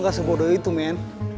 gak sebodoh itu men